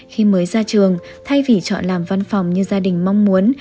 khi mới ra trường thay vì chọn làm văn phòng như gia đình mong muốn